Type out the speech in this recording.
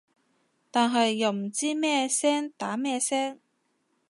但係又唔知咩聲打咩聲